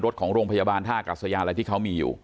รถของโรงพยาบาลท่ากัสยานอะไรที่เขามีอยู่